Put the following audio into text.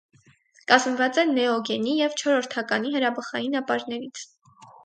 Կազմված է նեոգենի և չորրորդականի հրաբխային ապարներից։